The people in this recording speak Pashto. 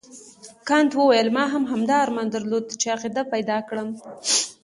کانت وویل ما هم همدا ارمان درلود چې عقیده پیدا کړم.